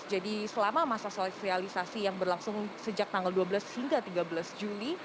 jadi selama masa sosialisasi yang berlangsung sejak tanggal dua belas hingga tiga belas juli